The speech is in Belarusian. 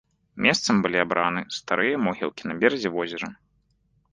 Месцам былі абраны старыя могілкі на беразе возера.